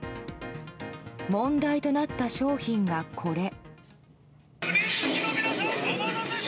問題となった商品がこれ。